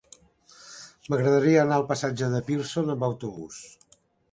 M'agradaria anar al passatge de Pearson amb autobús.